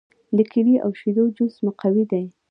د کیلې او شیدو جوس مقوي دی.